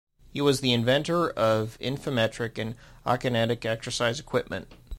He was the inventor of infimetric and akinetic exercise equipment.